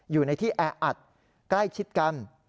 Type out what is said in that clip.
อยู่ในที่แออัดใกล้ชิดกัน